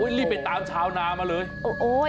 เฮ้ยรีบไปตามชาวน้ามาเลย